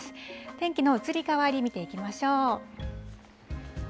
天気の移り変わり、見ていきましょう。